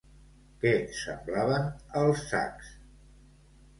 Què semblaven els sacs?